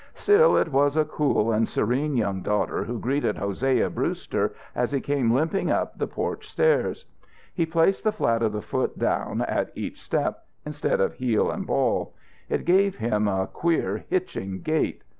Still, it was a cool and serene young daughter who greeted Hosea Brewster as he came limping up the porch stairs. He placed the flat of the foot down at each step, instead of heel and ball. It gave him a queer, hitching gait.